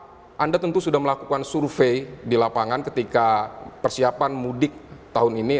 apakah anda tentu sudah melakukan survei di lapangan ketika persiapan mudik tahun ini